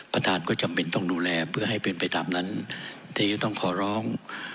ท่านก็จำเป็นต้องดูแลเพื่อให้เป็นไปตามนั้นที่จะต้องขอร้อง